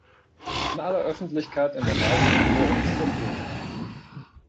In aller Öffentlichkeit in der Nase zu bohren, ist unkultiviert.